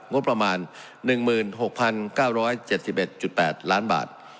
งบประมาณ๑๖๙๗๑๘ล้านบาท